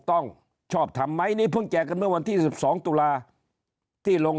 ต้องชอบทำไหมนี่เพิ่งแจกกันเมื่อวันที่๑๒ตุลาที่ลง